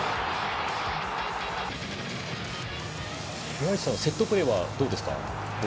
宮市さんはセットプレーはどうですか？